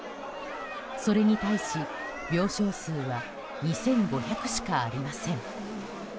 それに対し、病床数は２５００しかありません。